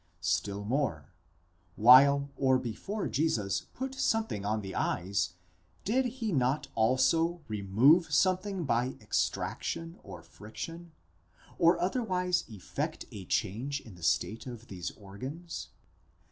Still more: while or before Jesus put something on the eyes, did he not also remove something by extraction or friction, or other FF 450 PART Il CHAPTER IX. § 95. wise effect a change in the state of these organs?